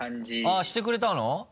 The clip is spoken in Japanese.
あっしてくれたの？